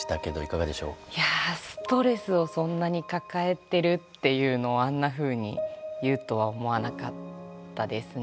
いやぁストレスをそんなに抱えてるっていうのをあんなふうに言うとは思わなかったですね。